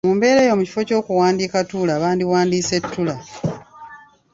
Mu mbeera eyo, mu kifo ky’okuwandiika ‘Tuula’ bandiwandiise ‘Ttula’.